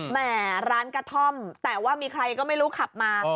แหมร้านกระท่อมแต่ว่ามีใครก็ไม่รู้ขับมา